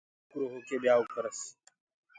ڏوڪرو هوڪي ٻيآئو ڪرس